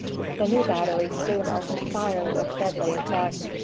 The new battery soon opened fire with deadly effect.